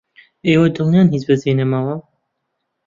ئێوە دڵنیان هیچ بەجێ نەماوە؟